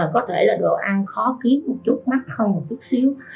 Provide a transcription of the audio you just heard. có thể là đồ ăn khó kiếp một chút mắc hơn một chút xíu